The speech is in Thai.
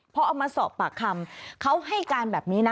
พอเอามาสอบปากคำเขาให้การแบบนี้นะ